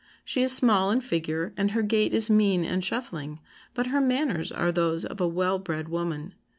She is small in figure, and her gait is mean and shuffling, but her manners are those of a well bred woman.